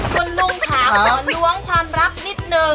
คุณลุงถามขอล้วงความรับนิดนึง